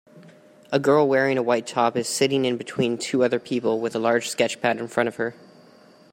A girl wearing a white top is sitting in between two other people with a large sketchpad in front of her